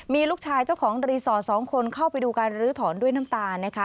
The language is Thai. มีลูกชายเจ้าของรีสอร์ท๒คนเข้าไปดูการลื้อถอนด้วยน้ำตานะคะ